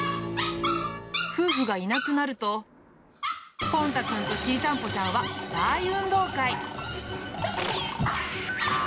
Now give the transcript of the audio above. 夫婦がいなくなると、ぽん太くんときりたんぽちゃんは大運動会。